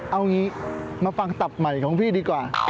เอางี้มาฟังตับใหม่ของพี่ดีกว่า